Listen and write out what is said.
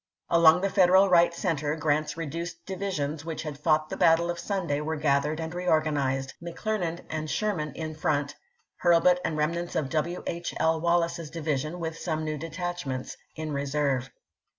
Along the Federal right center, Grant's reduced divisions which had fought the battle of Sunday were gath ered and reorganized, McCleruand and Sherman in front, Hurlbut and remnants of W. H. L. Wallace's division, with some new detachments, in reserve.